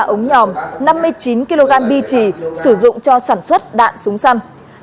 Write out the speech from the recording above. ba ống nhòm năm mươi chín kg bi trì sử dụng cho sản xuất đạn súng săn